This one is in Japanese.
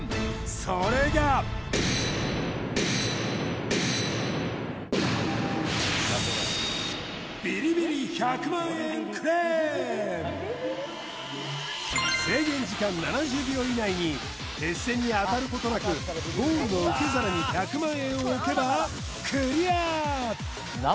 それが制限時間７０秒以内に鉄線に当たることなくゴールの受け皿に１００万円を置けばクリア